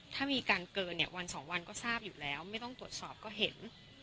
ถ้ามีการเกินเนี่ยวันสองวันก็ทราบอยู่แล้วไม่ต้องตรวจสอบก็เห็น